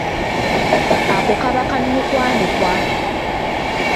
Ako kaba kanukwanukwa.